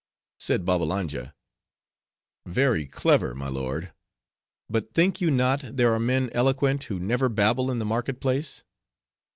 Said Babbalanja, "Very clever, my lord; but think you not, there are men eloquent, who never babble in the marketplace?"